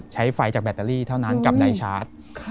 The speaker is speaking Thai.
ใช้ไฟจากแบตเตอรี่เท่านั้นกับนายชาร์จ